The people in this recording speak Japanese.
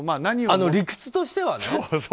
理屈としてはね。